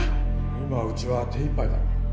今うちは手いっぱいだ